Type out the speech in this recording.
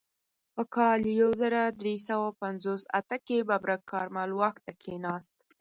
په کال یو زر درې سوه پنځوس اته کې ببرک کارمل واک ته کښېناست.